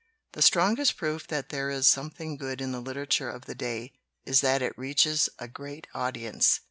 The strongest proof that there is something good in the literature of the day is that it reaches a great audience.